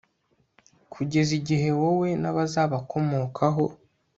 kugeza igihe, wowe n'abazabakomokaho